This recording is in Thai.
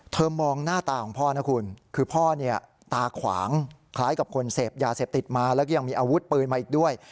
มองหน้าตาของพ่อนะคุณคือพ่อเนี่ยตาขวางคล้ายกับคนเสพยาเสพติดมาแล้วก็ยังมีอาวุธปืนมาอีกด้วย